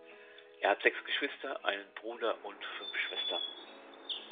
Er hat sechs Geschwister, einen Bruder und fünf Schwestern.